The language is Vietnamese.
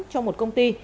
cho một công ty